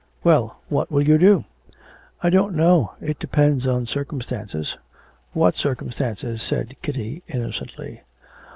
'Well, what will you do?' 'I don't know; it depends on circumstances.' What circumstances?' said Kitty, innocently.